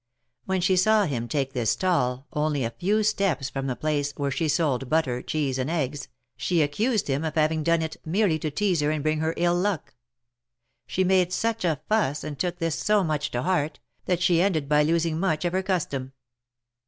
When she saw him take this stall, only a few steps from the place, where she sold butter, cheese and eggs, she accused him of having done it merely to tease her and bring her ill luck." She made such a fuss, and took this so much to heart, that she ended by losing much of her custom.